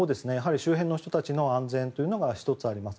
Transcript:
周辺の人たちの安全が１つあります。